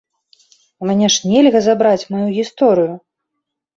У мяне ж нельга забраць маю гісторыю!